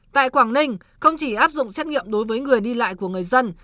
tại quảng ninh không chỉ áp dụng xét nghiệm đối với người đi lại của người dân